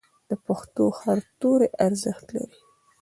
د پښتو هر توری ارزښت لري.